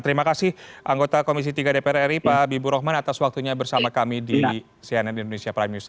terima kasih anggota komisi tiga dpr ri pak habibur rahman atas waktunya bersama kami di cnn indonesia prime news